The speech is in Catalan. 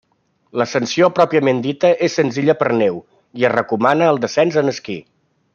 L'ascensió pròpiament dita és senzilla per neu, i es recomana el descens en esquí.